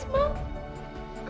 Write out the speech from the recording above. mas kevin jangan asma